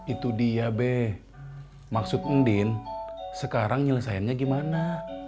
itu dia be maksud ngin sekarang nyelesaiannya gimana